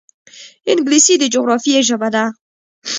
انګلیسي د جغرافیې ژبه ده